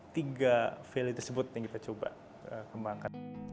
tiga value tersebut yang kita coba kembangkan